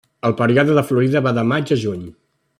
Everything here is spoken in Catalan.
El període de florida va de maig a juny.